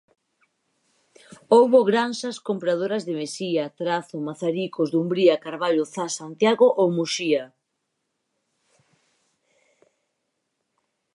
Houbo granxas compradoras de Mesía, Trazo, Mazaricos, Dumbría, Carballo, Zas, Santiago ou Muxía.